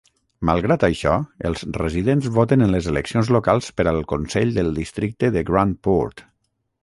Malgrat això, els residents voten en les eleccions locals per al consell del Districte de Grand Port.